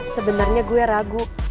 sebenernya gue ragu